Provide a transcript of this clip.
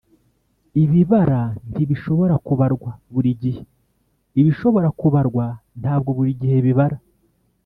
ibibara ntibishobora kubarwa buri gihe; ibishobora kubarwa ntabwo buri gihe bibara.